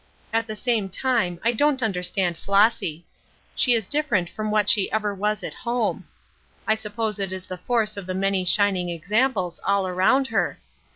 At the same time I don't understand Flossy: she is different from what she ever was at home. I suppose it is the force of the many shining examples all around her.